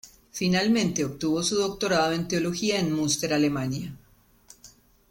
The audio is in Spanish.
Finalmente obtuvo su doctorado en Teología en Münster, Alemania.